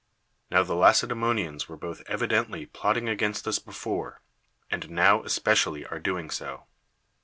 Now the Lacedaemonians were both evidently plotting against us before, and now especially are doing so.